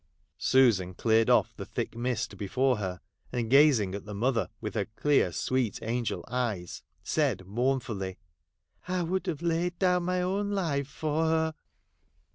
Susan cleared off the thick mist before her, and gazing at the mother with her clear, sweet, angel eyes, said, mournfully —' I would have laid down my own life for her.'